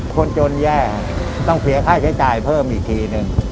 คนจนแย่ต้องเสียค่าใช้จ่ายเพิ่มอีกทีหนึ่ง